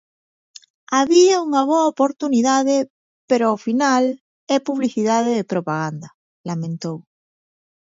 "Había unha boa oportunidade, pero ao final é publicidade e propaganda", lamentou.